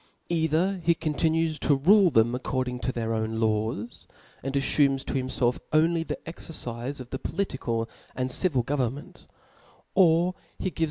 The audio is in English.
J^ither he continues to rule them accordinjg to they* own lawsy and a^Tumes to bimfelf only the exerdfe of the political and civil gdvernment; or heaves